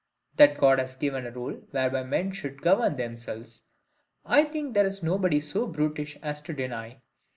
That God has given a rule whereby men should govern themselves, I think there is nobody so brutish as to deny.